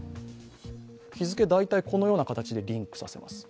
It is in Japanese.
日付、大体このような形でリンクさせます。